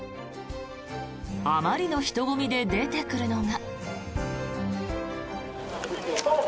あまりの人混みで出てくるのが。